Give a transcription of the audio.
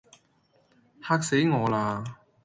嚇死我啦